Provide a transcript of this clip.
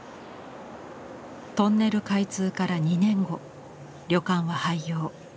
トンネル開通から２年後旅館は廃業。